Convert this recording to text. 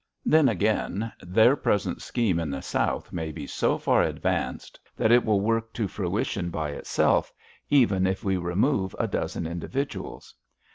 Then, again, their present scheme in the South may be so far advanced that it will work to fruition by itself, even if we remove a dozen individuals.